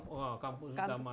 oh kampus utama